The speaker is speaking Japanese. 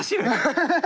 ハハハハ！